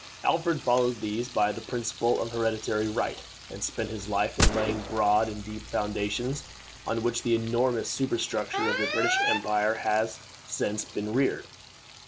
Alfred followed these by the principle of hereditary right, and spent his life in laying broad and deep the foundations on which the enormous superstructure of the British empire has since been reared.